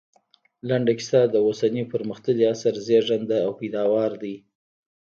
لنډه کيسه د اوسني پرمختللي عصر زېږنده او پيداوار دی